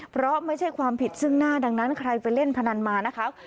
เพราะไม่ใช่ความผิดซึ่งหน้าดังนั้นใครไปเล่นพนันมานะคะ